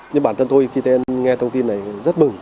nhưng bản thân tôi khi nghe thông tin này rất mừng